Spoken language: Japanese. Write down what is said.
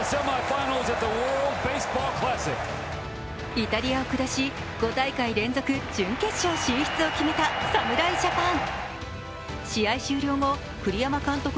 イタリアを下し、５大会連続準決勝に進出を決めた侍ジャパン。